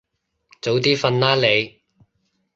早啲瞓啦你